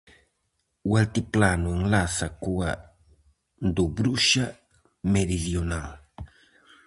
O altiplano enlaza coa Dobruxa meridional.